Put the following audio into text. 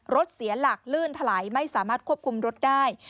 เสียหลักลื่นถลายไม่สามารถควบคุมรถได้